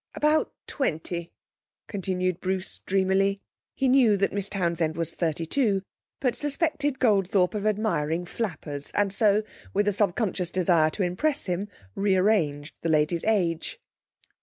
'About twenty,' continued Bruce dreamily. He knew that Miss Townsend was thirty two, but suspected Goldthorpe of admiring flappers, and so, with a subconscious desire to impress him, rearranged the lady's age.